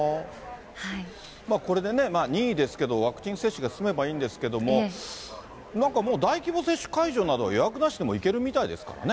これでね、任意ですけど、ワクチン接種が進めばいいんですけれども、なんかもう、大規模接種会場など、予約なしでも行けるみたいですからね。